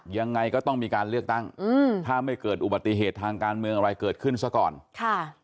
ยังไงก็ต้องมีการเลือกตั้งอืมถ้าไม่เกิดอุบัติเหตุทางการเมืองอะไรเกิดขึ้นซะก่อนค่ะ